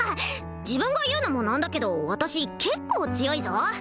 自分が言うのもなんだけど私結構強いぞ？